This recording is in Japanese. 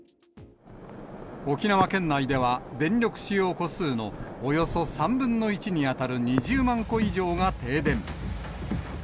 沖縄県内では、電力使用戸数のおよそ３分の１に当たる、２０万戸以上が停電。